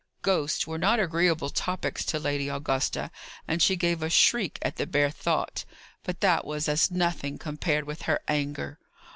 Ghosts were not agreeable topics to Lady Augusta, and she gave a shriek at the bare thought. But that was as nothing, compared with her anger.